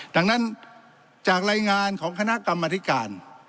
ดังนั้นจากรายงานของคณะกรรมธิการ